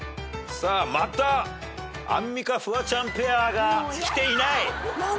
またアンミカフワちゃんペアがきていない。